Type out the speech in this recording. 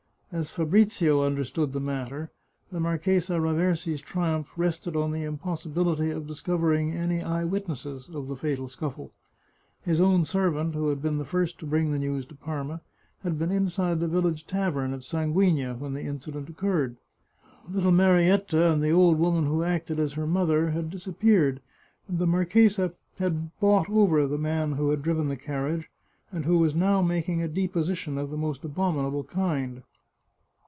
As Fabrizio understood the matter, the Marchesa Raversi's triumph rested on the impossibility of discovering any eye witnesses of the fatal scuffle. His own servant, who had been the first to bring the news to Parma, had been inside the village tavern at Sang^igna when the incident occurred. Little Marietta, and the old woman who acted as her mother, had disappeared, and the marchesa had bought over the man 222 The Chartreuse of Parma who had driven the carriage, and who was now making a deposition of the most abominable kind.